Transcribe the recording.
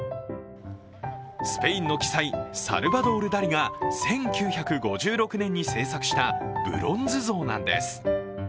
スペインの奇才、サルバドール・ダリが１９５６年に制作したブロンズ像なんです。